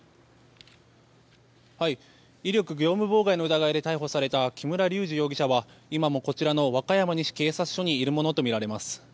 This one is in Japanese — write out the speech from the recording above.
威力業務妨害の疑いで逮捕された木村隆二容疑者は、今もこちらの和歌山西警察署にいるものとみられます。